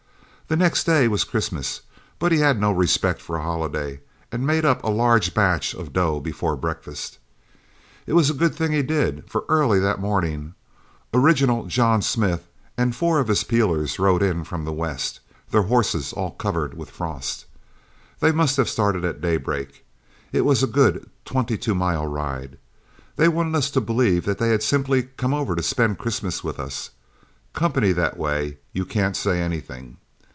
The next day was Christmas, but he had no respect for a holiday, and made up a large batch of dough before breakfast. It was a good thing he did, for early that morning 'Original' John Smith and four of his peelers rode in from the west, their horses all covered with frost. They must have started at daybreak it was a good twenty two mile ride. They wanted us to believe that they had simply come over to spend Christmas with us. Company that way, you can't say anything.